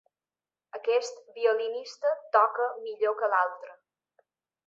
Aquest violinista toca millor que l'altre.